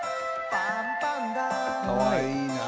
かわいいなあ。